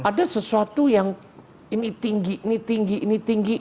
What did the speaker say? ada sesuatu yang ini tinggi ini tinggi ini tinggi